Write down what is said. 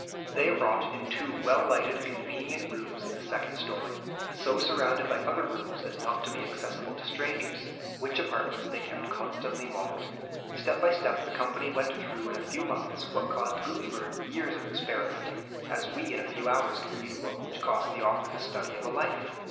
They wrought in two well lighted, convenient rooms in the second story, so surrounded by other rooms as not to be accessible to strangers, which apartments they kept constantly locked. Step by step, the company went through in a few months what caused Gutenberg years of experimenting, as we in a few hours can read a book which cost the author the study of a life.